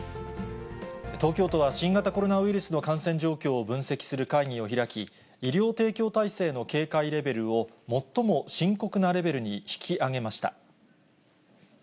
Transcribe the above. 東京都は新型コロナウイルスの感染状況を分析する会議を開き、医療提供体制の警戒レベルを、最も深刻なレベルに引き上げました。